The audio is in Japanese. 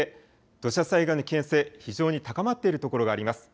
土砂災害の危険性、非常に高まっている所があります。